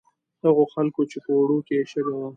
هغو خلکو چې په اوړو کې یې شګه وه.